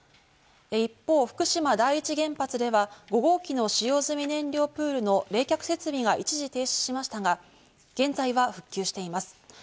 一方、福島第一原発では５号機の使用済み燃料プールの冷却設備が一時停止しましたが、現在は復旧しています。